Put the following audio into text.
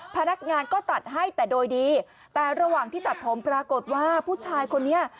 พนักงานก็ตัดให้แต่โดยดีแต่ระหว่างที่ตัดผมปรากฏว่าผู้ชายคนนี้